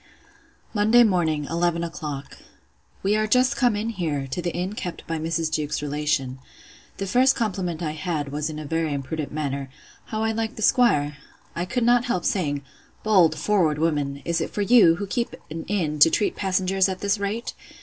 Monday morning, eleven o'clock. We are just come in here, to the inn kept by Mrs. Jewkes's relation. The first compliment I had, was in a very impudent manner, How I liked the 'squire?—I could not help saying, Bold, forward woman! Is it for you, who keep an inn, to treat passengers at this rate?